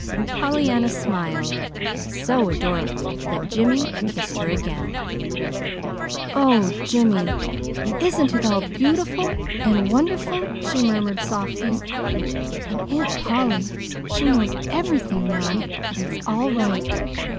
Pollyanna smiled so adorably that Jimmy kissed her again. "Oh, Jimmy, isn't it all beautiful and wonderful?" she murmured softly. "And Aunt Polly she knows everything now; and it's all right.